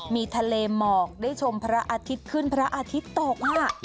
มีทะเลหมอกได้ชมพระอาทิตย์ขึ้นพระอาทิตย์ตก